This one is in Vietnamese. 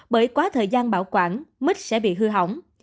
bởi quá thời gian bảo quản mít sẽ bị hư hỏng